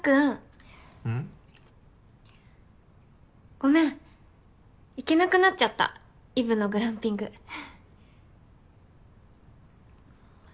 ごめん行けなくなっちゃったイブのグランピングははっ。